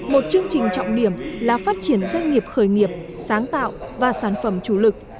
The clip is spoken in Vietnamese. một chương trình trọng điểm là phát triển doanh nghiệp khởi nghiệp sáng tạo và sản phẩm chủ lực